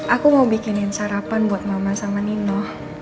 aku mau bikinin sarapan buat mama sama nino